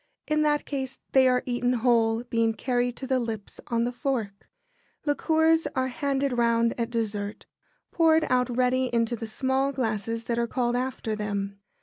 In that case they are eaten whole, being carried to the lips on the fork. [Sidenote: Liqueurs.] Liqueurs are handed round at dessert, poured out ready into the small glasses that are called after them.